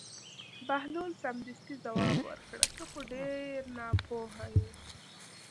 بهلول سمدستي ځواب ورکړ: ته خو ډېر ناپوهه یې.